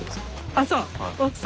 ああそう。